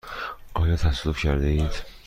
آیا تصادف کرده اید؟